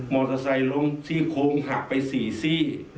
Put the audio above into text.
มอเตอร์ไซค์ลงที่โค้งหักไปสี่สี่